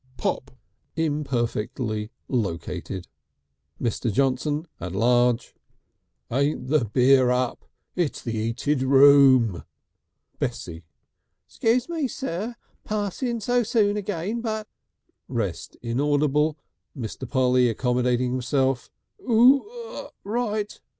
Pop! imperfectly located. Mr. Johnson at large: "Ain't the beer up! It's the 'eated room." Bessie: "Scuse me, sir, passing so soon again, but " Rest inaudible. Mr. Polly, accommodating himself: "Urr oo! Right?